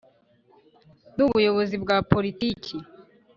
n’ubuyobozi bwa pariki